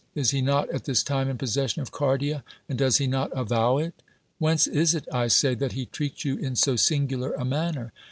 Is he not at this time in possession of Cardia? and does he not avow it? Whence is it, I say, that he treats you in so singular a manner?